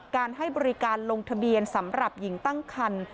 การให้บริการลงทะเบียนสำหรับหญิงตั้งคัน